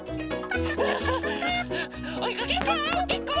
おいかけっこ！